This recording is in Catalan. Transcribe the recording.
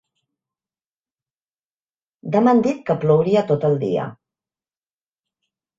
Demà han dit que plouria tot el dia.